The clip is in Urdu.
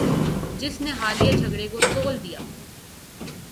جس نے حالیہ جھگڑے کو طول دیا